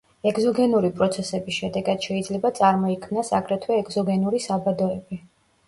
ეგზოგენური პროცესების შედეგად შეიძლება წარმოიქმნას აგრეთვე ეგზოგენური საბადოები.